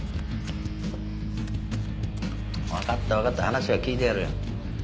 分かった分かった話は聞いてやるよ。